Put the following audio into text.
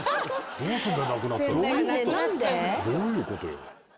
どういうことよ？